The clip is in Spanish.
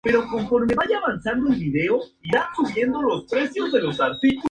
No presta servicios de pasajeros, ni de cargas.